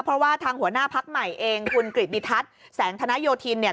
เพราะว่าทางหัวหน้าพักใหม่เองคุณกริติทัศน์แสงธนโยธินเนี่ย